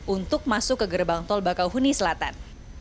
untuk masuk ke gerbang tol bakauheni selatan